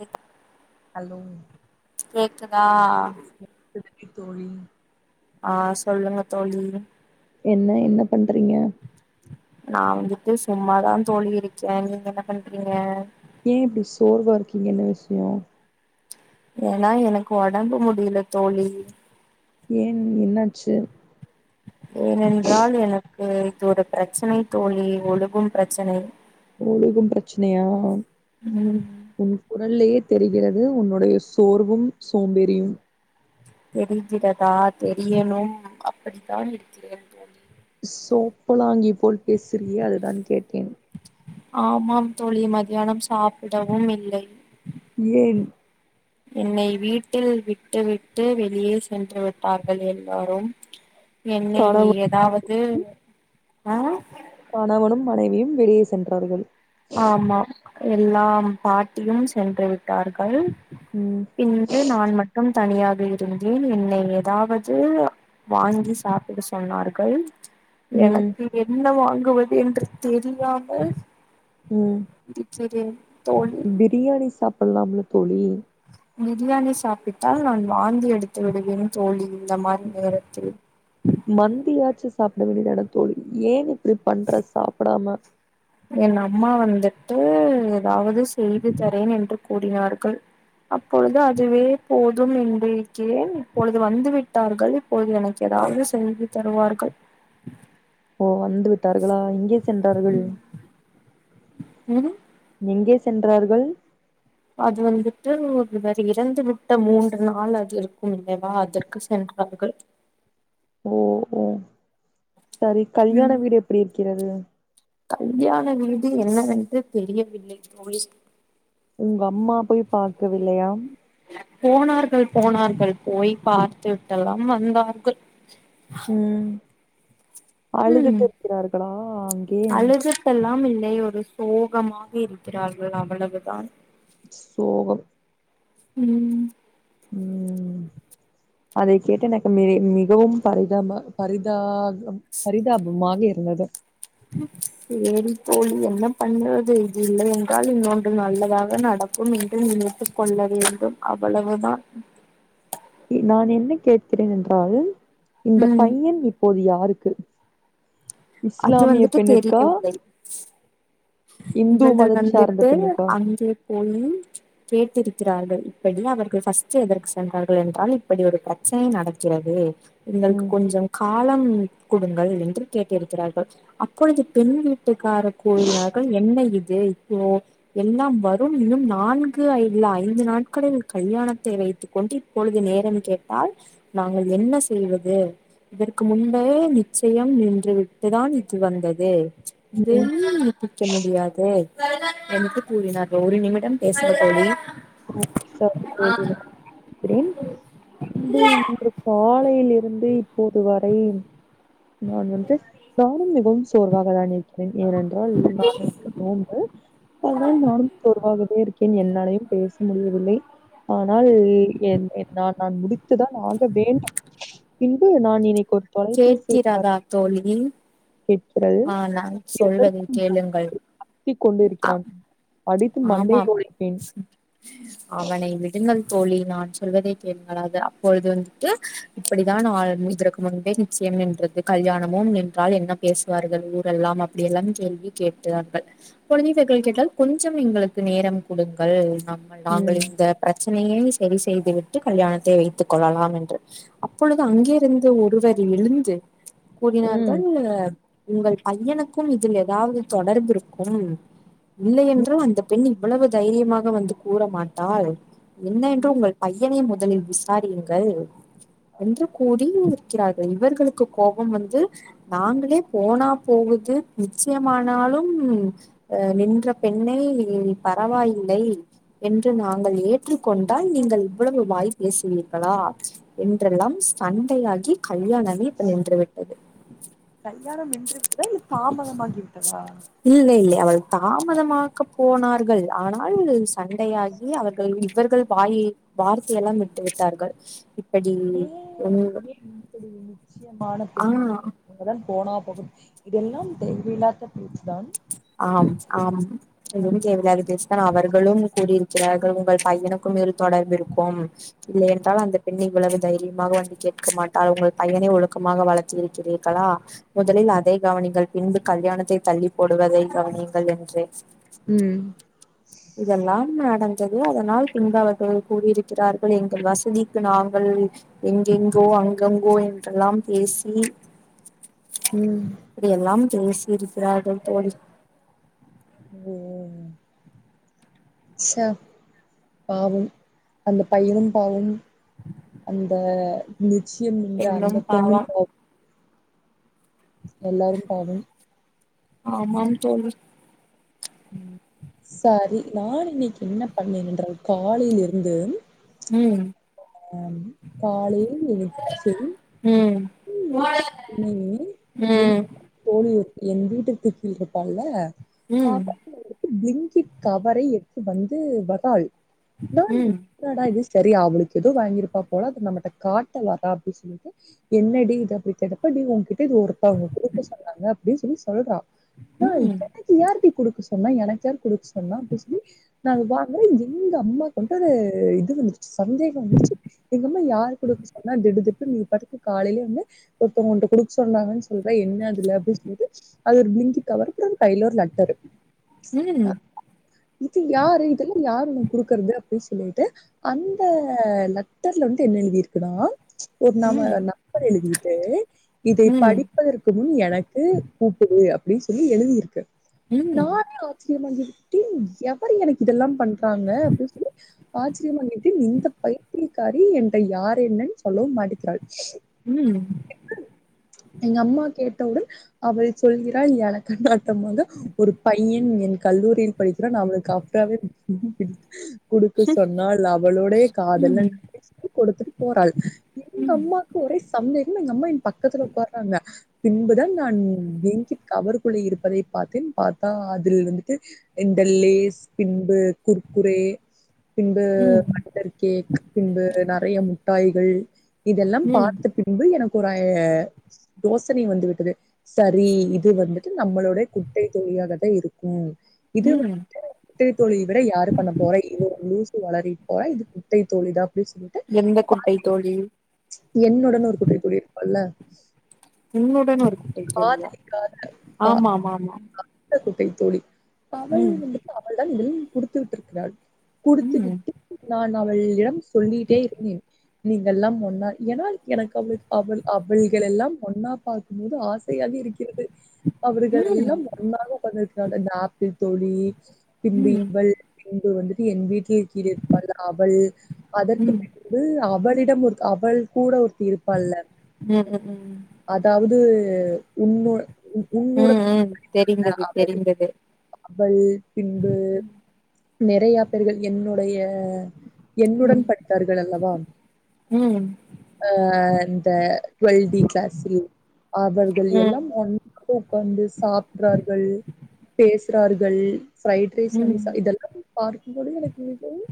ஏக் hello கேக்குதா எதுக்கு தோழி ஆ சொல்லுங்க தோழி என்ன என்ன பண்றீங்க நா வந்துட்டு சும்மாதா தோழி இருக்கே நீங்க என்ன பண்றீங்க ஏ இப்டி சோர்வா இருக்கீங்க என்ன விஷய ஏன்னா எனக்கு ஒடம்பு முடில தோழி ஏன் என்னாச்சு ஏனென்றால் எனக்கு இது ஒரு ப்ரச்சனை தோழி ஒழுகும் ப்ரச்சனை ஒழுகும் ப்ரச்சனையா ம் உன் குரல்லயே தெரிகிறது உன்னுடைய சோர்வும் சோம்பேறியும் தெரிகிறதா தெரியணும் அப்படித்தான் இருக்கிறேன் தோழி சோப்பலாங்கி போல் பேசுறியே அதுதான் கேட்டேன் ஆமாம் தோழி மதியானம் சாப்பிடவும் இல்லை ஏன் என்னை வீட்டில் விட்டு விட்டு வெளியே சென்று விட்டார்கள் எல்லாரும் என்னை கணவன் ஏதாவது அ கணவனும் மனைவியும் வெளியே சென்றார்கள் ஆமா எல்லாம் பாட்டியும் சென்று விட்டார்கள் ம் பின்பு நான் மட்டும் தனியாக இருந்தேன் என்னை எதாவது வாங்கி சாப்பிட சொன்னார்கள் ம் எனக்கு என்ன வாங்குவது என்று தெரியாமல் ம் இருக்கிறேன் தோழி பிரியாணி சாப்புட்லாம்ல தோழி பிரியாணி சாப்பிட்டால் நான் வாந்தி எடுத்து விடுவேன் தோழி இந்த மாதிரி நேரத்தில் மந்தியாச்சும் சாப்ட வேண்டிதானே தோழி ஏன் இப்படி பண்ற சாப்படாம என் அம்மா வந்துட்டு எதாவது செய்து தரேன் என்று கூறினார்கள் அப்பொழுது அதுவே போதும் என்றிருக்கிறேன் இப்பொழுது வந்து விட்டார்கள் இப்பொழுது எனக்கு எதாவது செஞ்சி தருவார்கள் ஓ வந்து விட்டார்களா எங்கே சென்றார்கள் ம் எங்கே சென்றார்கள் அது வந்துட்டு ஒருவர் இறந்து விட்ட மூன்று நாள் அது இருக்கும் இல்லையா அதற்கு சென்றார்கள் ஓ ஓ சரி கல்யாண ம் வீடு எப்பிடி இருக்கிறது கல்யாண வீடு என்னவென்று தெரியவில்லை தோழி உங்க அம்மா போய் பார்க்கவில்லையா போனார்கள் போனார்கள் போய் பார்த்து விட்டு எல்லாம் வந்தார்கள் ம் அழுதுட்டு இருக்கிறார்களா அழுதுட்டெல்லாம் இல்லை ஒரு சோகமாக இருக்கிறார்கள் அவ்வளவுதான் சோகம் ம் ம் அதை கேட்டு எனக்கு மிக மிகவும் பரிதாப பரிதா பரிதாபமாக இருந்தது சேரி தோழி என்ன பண்ணறது இது இல்லை என்றால் இன்னொன்று நல்லதாக நடக் கும் என்று நினைத்துக் கொள்ள வேண்டும் அவ்வளவுதா நான் என்ன கேட்கிறேன் என்றால் இந்த ம் பையன் இப்ப இப்போது யாருக்கு அது இஸ்லாமிய வந்துட்டு பெண்ணிற்கா தெரியவில்லை இந்து இவர்கள் மத சார்ந்த வந்துட்டு பெண்ணுக்கா அங்கே போயி கேட்டிருக்கிறார்கள் இப்படி அவர்கள் ஃபஸ்ட் எதற்கு சென்றார்கள் என்றால் இப்படி ஒரு ப்ர ச்சனை நடக்கிறது எங்களுக்கு ம் கொஞ்சம் காலம் குடுங்கள் என்று கேட்டிருக்கிறார்கள் அப்பொழுது பெண் வீட் வீட்டுக்கார கூறுகிறார்கள் என்ன இது இப்போ எல்லாம் வரும் இன்னும் நான்கு இல்ல ஐந்து நாட்களில் கல்யாணத்தை வைத்து கொண்டு இப்பொழுது நேரம் கேட்டால் நாங்கள் என்ன செய்வது இதற்கு முன்பே நிச்சயம் நின்று விட்டுதான் இது வந்தது ம் இதெல் நிருப்பிக்க முடியா து எனக்கு கூறினார் ஒரு நிமிடம் பேசுற தோழி [unintelligible] சர் கூறினார் அப்புடின் அன்பு இன்று காலையில் இருந்து இப்போது வரை நான் வந்து நானும் மிகவும் சோர்வாக தான் இருக்கிறேன் ஏனென்றால் நான் வந்து நோன்பு அதனால் நானும் சோர்வாகவே இருக்கேன் என்னாலையும் பேச முடியவில்லை ஆனால் என் நான் நான் முடித்துதான் ஆக வேண்டும் பின்பு நான் இனி கேட்கிறதா தோழி கேட்கிறது ஆ நான் சொல்வதை எதற்கும் கேளுங்கள் கத்திக் கொண்டு ஆ இருக்கிறான். அடித்து மண்டையை ஆமாம் உடைப்பேன். அவனை விடுங்கள் தோழி நான் சொல்வதை கேலுங்கள் அது அப்பொழுது வந்துட்டு இப்படித்தான் ஆள்மு இதற்கு முன்பே நிச்சயம் நின்றது கல்யாணமும் நின்றால் என்ன பேச வார்கள் ஊரெல்லாம் அப்டி எல்லாம் கேள்வி கேட்டார்கள் குழந்தைகள் கேட்டால் கொஞ் கொஞ்சம் எங்களுக்கு நேரம் குடுங்கள் [inaudible] நாங்கள் ம். இந்த பிரச்சனையை செரி செய்து விட்டு கல்யாணத்தை வைத்துக் கொள்ளலாம் என்று அப்பொழுது அங்கே இருந்து ஒருவர் எழுந்து ம். கூறினார்கள் உங்கள் பையனுக்கும் இதில் ஏதாவது தொடர்பு இருக்கும் இல்லை என் று அந்த பெண் இவ்வளவு தைரியமாக வந்து கூற மாட்டாள் என்ன என்று உங்கள் பையனை முதலில் விசாரியுங்கள் என்று கூறி இருக்கிறார்கள் இவர்களுக் கோபம் வந்து நாங்க ங்களே போனா போகுது நிச்சயமானாலும் அ நின்ற பெண்ணை பரவாயில்லை என்று நாங்கள் ஏற்றுக்கொண்டால் நீங்கள் இவ்வளவு வாய் பேசுவீர்களா என்றெல்லாம் சண்டையாகி கல்யாணமே இப்ப நின்று விட்டது கல்யாணம் நின்று விட்டதா இல்ல தாமதமாகிவிட்டதா இல்லை இல்லை அவள் தாமதமாக்க போனா ர்கள் ஆனால் சண்டையாகி அவர்கள் இவர்கள் வாயை வார்த்தையெல்லாம் விட்டு விட்டார்கள் அப்டி ஏ ஒன் [inaudible] ஏ ஆ அங்கதா போனா போகுது இதெல்லாம் தேவ இல்லாத பேச்சு தா ஆம் ஆம் இது [unintelligible] அவர்களும் கூடிரு சிறார்கள் உங்கள் பையனுக்கும் இதில் தொடர்பிருக்கும் இல்லையென்றால் அந்த பெண் இவ்வளவு தைரியமாக வந்து கேட்க மாட்டாள் உங்கள் பையனை ஒழுக்கமாக வளர்த்து இருக்கிறீர்களா முதலில் அதை கவனிங்கள் பின்பு கல்யாணத்தை தள்ளி போடுவதை கவனிங்கள் என்றேன் உம் இதெல்லாம் நடந்தது அதனால் பின்பு அவர்கள் கூறியிருக்கிறார்கள் எங்கள் வசதிக்கு நாங்கள் எங்கெங்கோ அங்கங்கோ என்றெல்லாம் பேசி உம் இப்டி எல்லாம் பேசி இருக்கிறார்கள் தோழி உம் உம் ச்சே பாவம் அந்த பையனும் பாவம் அந்த நிச்சயம் இந்த அந்த பெண்ணும் பொண்ணும் பாவம் பா எல்லாரும் பாவம் ஆமாம் தோழி சரி நா இன்னிக்கு என்ன பண்ணேன் என்றால் காலையிலிருந்து உம் ஆ காலையில் நிகழ்ச்சி உம் என் உம் தோழி என் வீட்டு [unintelligible] இருப்பால ம் பிலிங்கிட் கவரை எடுத்து வந்து வர்றாள் ம் னாடா இது சரி அவளுக்கு ஏதோ வாங்கியிருப்பா போல அது நம்மட்ட காட்ட வரா அப்டி சொல்லிட்டு என்னடி இது அப்டி கேட்டப்ப நீ ஒங்கிட்ட இது ஒருத்தவங்க குடுக்க சொன்னாங்க அப்டின் சொல்லி சொல்றா ம் [unintelligible] யாருக்டி குடுக்க சொன்னா எனக்கு யாரு குடுக்க சொன்னா அப்டின் சொல்லி நா இதாங்கரே எங்க அம்மாக்கு வந்து ஒரு இது வந்துருச்சு சந்தேகம் வந்துருச்சு எங்கம்மா யார்க் குடுக்க சொன்னா திடுதிப்புணு நீ பாட்டுக்கு காலையில வந்து ஒருத்தவங் உன்ட்ட குடுக்க சொன்னாங்கன் சொல்ற என்ன அதுல அப்டின் சொல்லிட்டு அது ஒரு பிலிங்கிட் கவர் அப்புறோ பையில ஒரு லெட்டரு உம் இது யாரு இதெல்லா யாரு உனக்கு குடுக்குறது அப்டி சொல்லிட்டு அந்த லெட்டர்ல வந்து என்ன எழுதி இருக்குதா ஒரு ம் நம ம் நம்பர் எழுதிட்டு இதை ம் படிப்பதற்கு முன் எனக்கு கூப்புடு அப்டின்னு சொல்லி எழுதிருக்கு ம் நானே சேரி நா எப்டின் எவடி எனக்கு இதெல்லா பண்றாங்க அப்டின் சொல்லி ஆச்சரியமாங்கேட்டில் இந்த பைத்தியிக்காரி என்ட யார் என்னன்னு சொல்லவு மாட்டிக்கிறாள் ம் எங்க அம்மா கேட்டவுடன் அவள் சொல்கிறாள் எலக்கண்ணாட்டமாக ஒரு பையன் என் கல்லூரியில் படிக்கிறான் நமளுக்கு அப்றாவே குடுக்க சொன்னாள் அவளோடைய காதலன் கொடுத்துட்டு போறாள் எங்க அம்மாக்கு ஒரே சந்தேகம் எங்க அம்மா என் பக்கத்துல உக்கார்ராங்க பின்புதான் நான் பிலின்கிட் கவருக்குள்ள இருப்பதை பாத்தேன் பாத்தா அதில் வந்துட்டு இந்த லேஸ் பின்பு குர்குரே பின்பு ம் ம் பட்டர் கேக் பின்பு நெறைய முட்டாய்கள் இதெல்லாம் ம் பார் பின்பு எனக்கு ஐ யோசனை வந்து விட்டது சரி இது வந்துட்டு நம்மளோடைய குட்டை தோழியாகத்தான் இருக்கும் இது ம் வந்துட்டு குட்டை தோழியை விட யாரு பண்ண போற இவ ஒரு லூசு ஒளரிட்டு போய் இது குட்டை தோழிதா அப்டின்னு சொல்லி எந்த குட்டை தோழி என்னுடன் ஒரு குட்டை தோழி இருப்பால்ல உன்னுடன் ஒரு குட்டை தோழியா காதலிக்கா பார்த்த ஆமா ஆமா ஆமா குட்டை தோழி அவள் ம் வந்து அவள்தான் இதுலியு குடுத்து விட்டுருக்கிறாள் குடுத்து ம் விட்டு நான் அவளிடம் சொல்லிட்டே இருந்தேன் நீங்கள் எல்லாம் ஒன்னா ஏன்னா எனக்கு அவ அவள் அவள்கள் எல்லாம் ஒன்னா பாக்கும் போது ஆச யாக இருக்கிறது ம் ம் அவர்கள் ம் எல்லாம் ஒன்னாக உக்காந்திருக்கிறாங்க இந்த ஆப்பிள் தோழி பின்பு ம் இவள் பின்பு வந்துட்டு என் வீட்டில் கீழ இருப்பாள் அவள் அதற்கு ம் பிறகு அவளிடம் ஒரு அவள் கூட ஒருத்தி இருப்பால்ல ம் ம் ம் அதாவது உன்னு உன்னுடன் ம் தெரிந்தது அவள் தெரிந்தது அவள் பின்பு நெறயா பேர்கள் என்னுடைய என்னுடன் ம் படித்தார்கள் அல்லவா ம் அஹ் இந்த டுவெல்டி கிளாஸி அவர்கள் ம் ம் எல்லாம் ஒன்றாய் உக்காந்து சாப் ரார்கள் பேசுறார்கள் ஃப்ரைட் ரைஸ் ம் வாங்கி ம் சா இதெல்லா பார்க்கும்பொழுது எனக்கு மிகவும்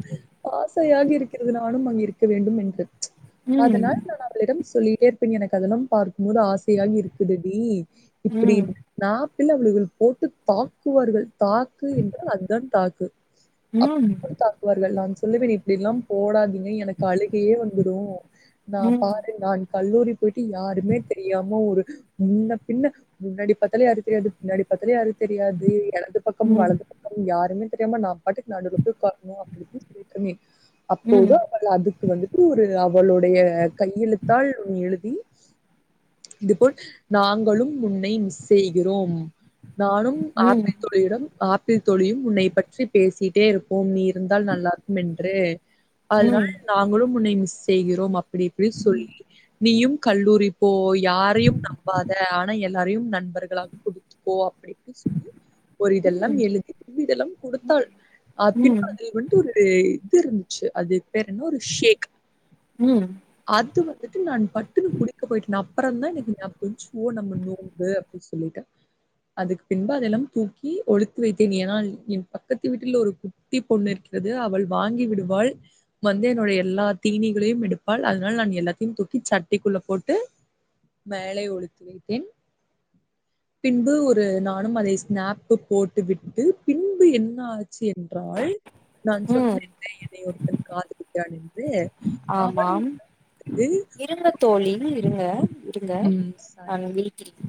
ஆசையாக இருக்கிறது நானு அங்க இருக்க வேண்டும் என்று ம் ம் அதனால் நான் அவளிடம் சொல்லிட்டேருப் ப்ப எனக்கு அதெல்லாம் பார்க்கும்போது ஆசையா இருக்குதடி இப்டி ம் நா இல்ல அவளுகள் போட்டு தாக்குவார்கள் தாக் க்கு என்றால் அதுதான் தாக்கு ம் ம் ம் ம் அப்ப [inaudible] தாக்கு வார்கள் நான் சொல்லுவேன் இப்டியெல்லாம் போடாதிங்க எனக்கு அழுகயே வந்துடு நான் பா நான் கல்லூரி போயிட்டு யாருமே தெரியாம ஒரு முன்ன பின்ன முன்னாடிப்பத்தாலு யாரு தெரியாது பின்னாடி பாத்தாலு யாரு தெரியாது இடதுபக்கம் வலது பக்க யாருமே தெரியாம நான் பாட்டுக்கு நடுவுல போய் உக்காரணும் அப்டின்னு சொல்லிட்டுருந்தே அப்போது அதுக்கு வந்துட்டு ஒரு அவளுடைய கையெழுத்தால் எழுதி இதுபோல் நாங்களும் உன்னை மிஸ் செய்கிறோம் நானும் ம் ஆத்தி [unintelligible] யிடம் ஆப்பிள் தோழியும் உன்னைப் பற்றி பேசிட்டேருப்போம் நீ இருந்தால் நல்லாருக்கும் என் எடு அதனால நாங்களும் உன்னை மிஸ் செய்கிறோம் அப்படி இப்டி சொல்லி நீயும் கல்லூரி போ யாரையும் நம்பாத ஆனா எல்லாரையும் நண்பர்களா குடுத்துக்கோ அப்படின்னு சொல்லி ஒரு இதெல்லாம் எழுதி இதெல்லாம் குடுத்தாள் அ ம் பின்புறம் [unintelligible] அது ஒரு இதுயிருந்துச்சு அது பேரு என்ன ஒரு ஷேக் உம் அது வந்துட்டு நான் பட்டுன்னு குடிக்க போயிட்டேன் அப்புறந்தான் எனக்கு ஞாபகம் வன்ச்சோ ஓ நம்ம நோம்பு பொய் சொல்லிட்டா அதுக்கு பின்பு அதெல்லாம் தூக்கி ஒழித்து வைத்தேன் ஏன்னா என் பக்கத்து வீட்டில் ஒரு கு ட்டி பொண்ணு இருக்கிறது அவள் வாங்கி விடுவாள் வந்து என்னோடைய எல்லா தீனிகளையும் எடுப்பாள் அதனால நான் எல்லாத்தையும் தூக்கி சட்டிக்குள்ள போட்டு மேலை ஒழித்து வைத்தேன் பின்பு ஒரு நானும் அதை ஸ்னாப்பு போட்டு விட்டு பின்பு என்ன ஆச்சு என்றால் நான் சொன்ன இல்ல என்னை ஒருத்தன் காதலிக்கிறான் என்று ஆமாம் அவனிடம் ஏ இருங்க தோழி இருங்க இருங்க ம் சாரி நான் விலிக்கிறேன்